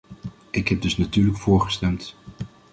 Ik heb dus natuurlijk voorgestemd.